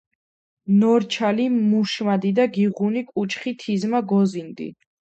ნორჩალი მუშმადიდა გიღუნი კუჩხი თიზმა გოზინდი